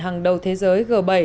hàng đầu thế giới g bảy